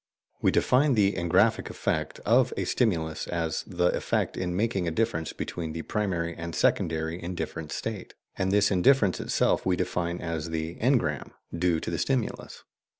We define the "engraphic effect" of a stimulus as the effect in making a difference between the primary and secondary indifference states, and this difference itself we define as the "engram" due to the stimulus.